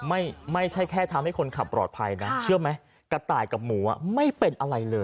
ไม่ใช่แค่ทำให้คนขับปลอดภัยนะเชื่อไหมกระต่ายกับหมูอ่ะไม่เป็นอะไรเลย